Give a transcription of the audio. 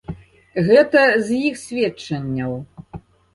Гэта з іх сведчанняў.